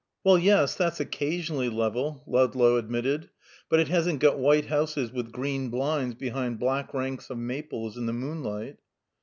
"Well, yes, that's occasionally level," Ludlow admitted. "But it hasn't got white houses with green blinds behind black ranks of maples in the moonlight."